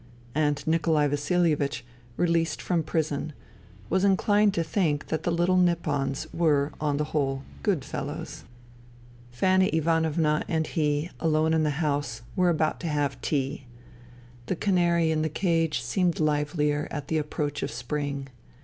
And Nikolai Vasihevich, released from prison, was inclined to think that the little Nippons were, on the whole, good fellows. INTERVENING IN SIBERIA 209 Fanny Ivanovna and he, alone in the house, were about to have tea. The canary in the cage seemed hveher at the approach of spring.